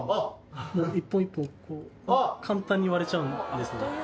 一本一本簡単に割れちゃうんですね。